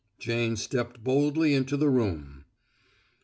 Jane stepped boldly into the room.